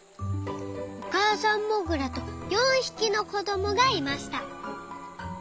おかあさんモグラと４ひきのこどもがいました。